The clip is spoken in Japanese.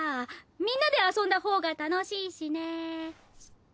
みんなで遊んだほうが楽しいしね。